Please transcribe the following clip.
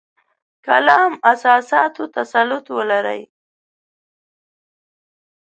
کلام اساساتو تسلط ولري.